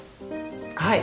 はい。